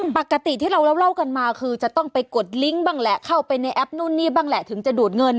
ปกติที่เราเล่ากันมาคือจะต้องไปกดลิงก์บ้างแหละเข้าไปในแอปนู่นนี่บ้างแหละถึงจะดูดเงิน